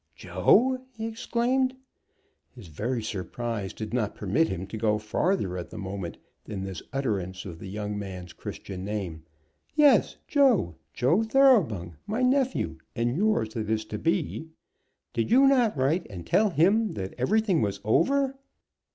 "Joe!" he exclaimed. His very surprise did not permit him to go farther, at the moment, than this utterance of the young man's Christian name. "Yes, Joe, Joe Thoroughbung, my nephew, and yours that is to be. Did you not write and tell him that everything was over?"